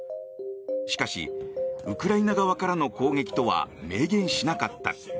しかし、ウクライナ側からの攻撃とは明言しなかった。